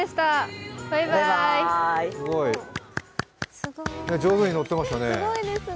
すごい、上手に乗ってましたね。